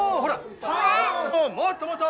もっともっと！